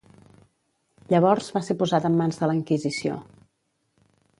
Llavors va ser posat en mans de la Inquisició.